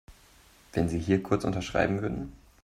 Wenn Sie hier kurz unterschreiben würden.